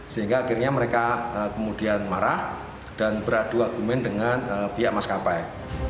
sehingga akhirnya mereka kemudian marah dan beradu argumen dengan pihak maskapai